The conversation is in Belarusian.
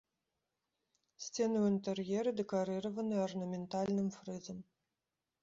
Сцены ў інтэр'еры дэкарыраваны арнаментальным фрызам.